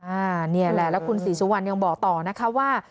อันนี้แหละแล้วคุณศรีสุวรรณยังบอกต่อนะคะว่า